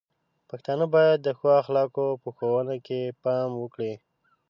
پښتانه بايد د ښو اخلاقو په ښوونه کې پام وکړي.